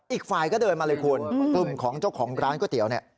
อีกฝ่ายก็เดินมาเลยคุณกลุ่มของเจ้าของร้านก๋วยเตี๋ยวเนี่ย